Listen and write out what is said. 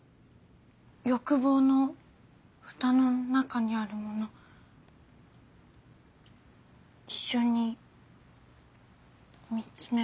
欲望の蓋の中にあるもの一緒に見つめましょう。